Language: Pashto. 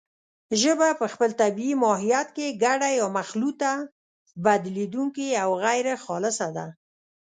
ژبه په خپل طبیعي ماهیت کې ګډه یا مخلوطه، بدلېدونکې او غیرخالصه ده